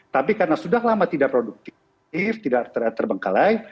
tapi karena sudah lama tidak produktif tidak terbengkalai